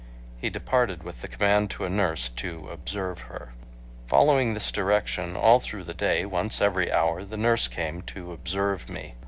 He departed with the command to a nurse to "observe her." Following this direction, all through the day once every hour, the nurse came to "observe" me.